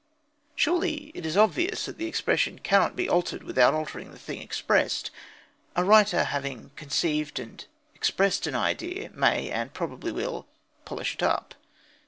Surely it is obvious that the expression cannot be altered without altering the thing expressed! A writer, having conceived and expressed an idea, may, and probably will, "polish it up."